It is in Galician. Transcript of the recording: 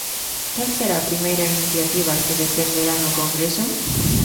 Cal será a primeira iniciativa que defenderá no Congreso?